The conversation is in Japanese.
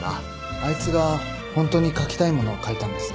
あいつがホントに書きたいものを書いたんです。